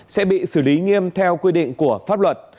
sẽ bị xử lý nghiêm theo quy định của pháp luật